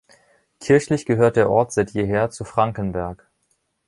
Kirchlich gehört der Ort seit jeher zu Frankenberg.